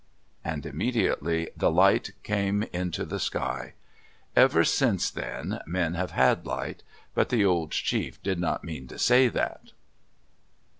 And immediately the light came up into the sky. Ever since then men have had light. But the old chief did not mean to say that.